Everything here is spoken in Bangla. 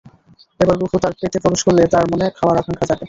এবার রূহ্ তার পেটে প্রবেশ করলে তাঁর মনে খাওয়ার আকাঙ্ক্ষা জাগে।